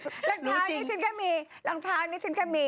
รองเท้านี้ฉันก็มีรองเท้านี้ฉันก็มี